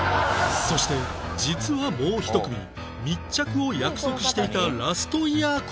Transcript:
そして実はもう１組密着を約束していたラストイヤーコンビが